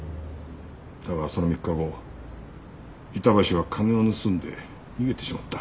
だがその３日後板橋は金を盗んで逃げてしまった。